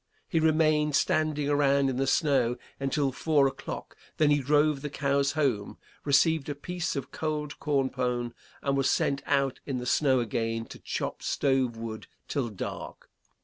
He remained standing around in the snow until four o'clock, then he drove the cows home, received a piece of cold corn pone, and was sent out in the snow again to chop stove wood till dark.